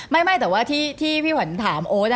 ไม่แต่ว่าที่พี่ขวัญถามโอ๊ต